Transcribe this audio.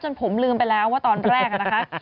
ผมลืมไปแล้วว่าตอนแรกนะคะ